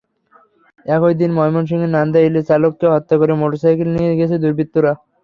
একই দিন ময়মনসিংহের নান্দাইলে চালককে হত্যা করে মোটরসাইকেল নিয়ে গেছে দুর্বৃত্তরা।